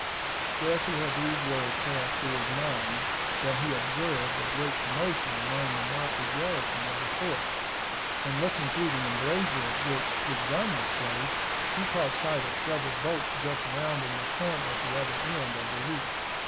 Scarcely had these words passed through his mind than he observed a great commotion among the motley garrison of the fort, and, looking through the embrasure at which his gun was placed, he caught sight of several boats just rounding the point at the other end of the reach.